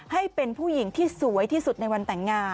ให้เป็นผู้หญิงที่สวยที่สุดในวันแต่งงาน